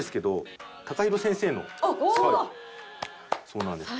そうなんです。